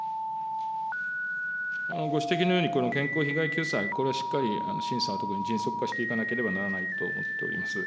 ご指摘のように健康被害救済、これはしっかり審査は特に迅速化していかなければならないと思っております。